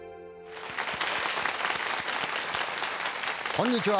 こんにちは。